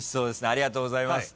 ありがとうございます。